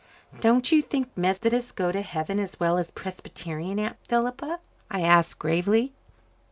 "Don't you think Methodists go to heaven as well as Presbyterians, Aunt Philippa?" I asked gravely.